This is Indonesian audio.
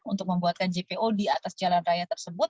untuk membuatkan jpo di atas jalan raya tersebut